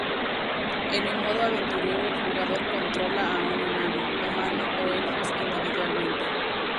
En el "modo aventurero" el jugador controla a un enano, humano o elfos individualmente.